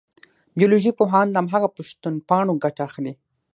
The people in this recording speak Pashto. بیولوژي پوهان له هماغه پوښتنپاڼو ګټه اخلي.